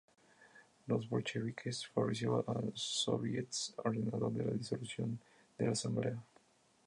Los bolcheviques, favoreciendo a los soviets, ordenaron la disolución de la Asamblea.